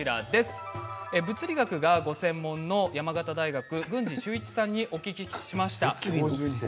物理学がご専門の山形大学の郡司修一さんにお聞きしました。